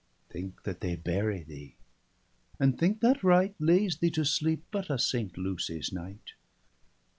Thinke that they bury thee, and thinke that right Laies thee to sleepe but a Saint Lucies night.